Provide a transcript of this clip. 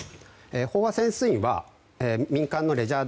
飽和潜水員は民間のレジャー